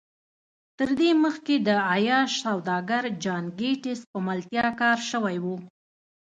تر دې مخکې د عياش سوداګر جان ګيټس په ملتيا کار شوی و.